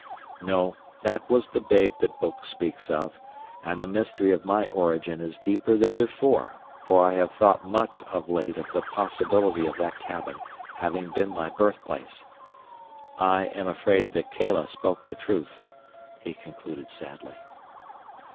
"No, that was the babe the book speaks of—and the mystery of my origin is deeper than before, for I have thought much of late of the possibility of that cabin having been my birthplace. I am afraid that Kala spoke the truth," he concluded sadly.